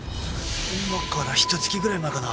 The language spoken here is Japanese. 今からひと月ぐらい前かな。